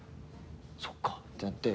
そっかってなって。